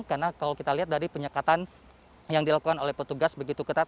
karena kalau kita lihat dari penyekatan yang dilakukan oleh petugas begitu ketat